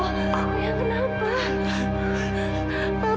kamu harus menunggu sampai dia be cif vader kembali